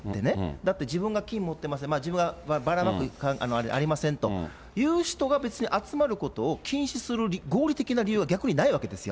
だって自分が菌持ってます、自分はばらまくあれ、ありませんという人が別に集まることを禁止する合理的な理由は逆にないわけですよ。